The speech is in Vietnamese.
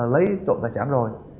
lấy trộm tài trản rồi